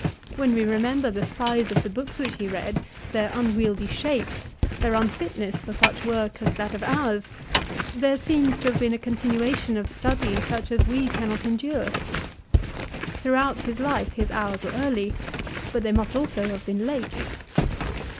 When we remember the size of the books which he read, their un wieldy shapes, their unfitness for such work as that of ours, there seems to have been a continuation of study such as we cannot endure. Throughout his life his hours were early, but they must also have been late.